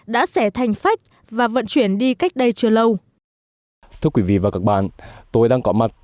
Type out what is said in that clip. trẻ thành phách và vận chuyển đi cách đây chưa lâu